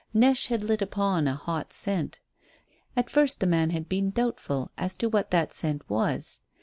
Neche had lit upon a hot scent. At first the man had been doubtful as to what that scent was.